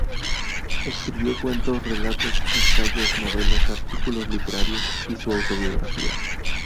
Escribió cuentos, relatos, ensayos, novelas, artículos literarios y su autobiografía.